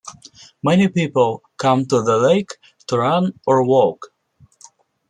Many people come to the lake to run or walk.